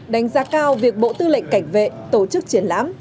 đánh giá cao việc bộ tư lệnh cảnh vệ tổ chức triển lãm